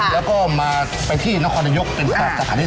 แล้วก็มาไปที่นครนายกเป็นสถานที่